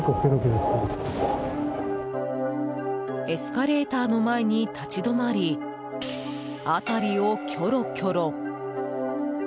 エスカレーターの前に立ち止まり、辺りをキョロキョロ。